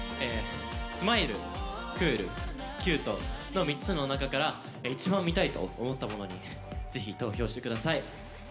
「ｓｍｉｌｅ」「ｃｏｏｌ」「ｃｕｔｅ」の３つの中から一番見たいと思ったものにぜひ投票してください。